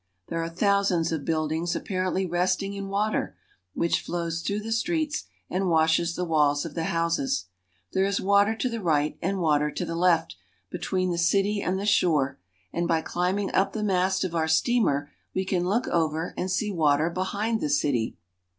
There are thousands of buildings apparently resting in water, which flows through the streets, and washes the walls of the houses. There is water to the right, and water to the left, between the city and the shore ; and by climbing up the mast of our steamer we can look over and see water behind the city.